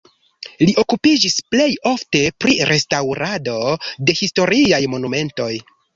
Li okupiĝis plej ofte pri restaŭrado de historiaj monumentoj.